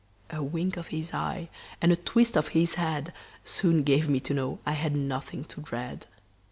A wink of his eye, and a twist of his head, Soon gave me to know I had nothing to dread.